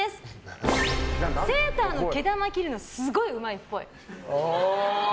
セーターの毛玉切るのすごいうまいっぽい。